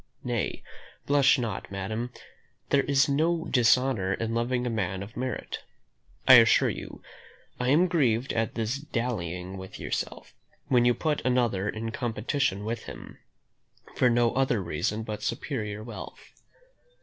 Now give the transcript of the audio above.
Nay, blush not, madam; there is no dishonour in loving a man of merit. I assure you, I am grieved at this dallying with yourself, when you put another in competition with him, for no other reason but superior wealth."